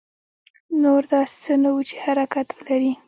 نور داسې څه نه وو چې حرکت ولري.